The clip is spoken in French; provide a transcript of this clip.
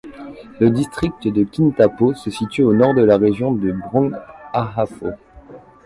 Le district de Kintampo se situe au nord de la région de Brong Ahafo.